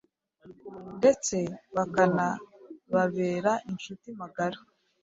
ndetse bakanababera incuti magara.